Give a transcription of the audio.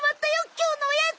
今日のおやつ！